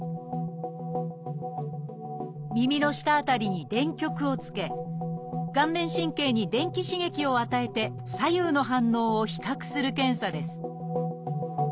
耳の下辺りに電極をつけ顔面神経に電気刺激を与えて左右の反応を比較する検査です